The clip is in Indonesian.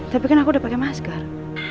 tapi kan aku udah pakai masker